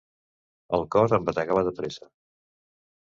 El cor em bategava amb pressa.